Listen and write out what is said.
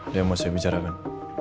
dia mau saya bicara kan